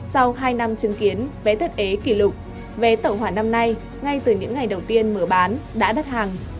sau hai năm chứng kiến vé thất ế kỷ lục vé tàu hỏa năm nay ngay từ những ngày đầu tiên mở bán đã đắt hàng